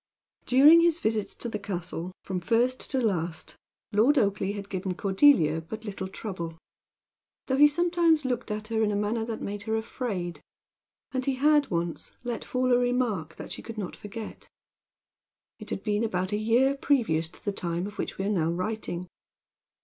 During his visits to the castle, from first to last, Lord Oakleigh had given Cordelia but little trouble; though he sometimes looked at her in a manner that made her afraid. And he had once let fall a remark that she could not forget. It had been about a year previous to the time of which we are now writing.